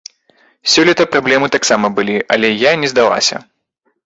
Сёлета праблемы таксама былі, але я не здалася.